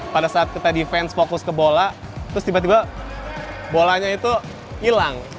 pada saat kita defense fokus ke bola terus tiba tiba bolanya itu hilang